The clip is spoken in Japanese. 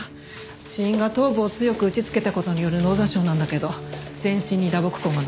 死因が頭部を強く打ちつけた事による脳挫傷なんだけど全身に打撲痕が残ってた。